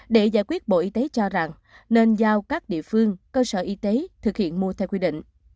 để giải quyết bộ y tế cho rằng nên giao các địa phương cơ sở y tế thực hiện mua theo quy định